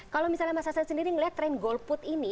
kalau misalnya mas hasan sendiri melihat trend goal put ini